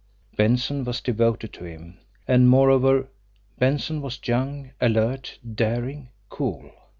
Benson was devoted to him; and moreover Benson was young, alert, daring, cool.